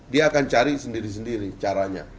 dia akan cari sendiri sendiri caranya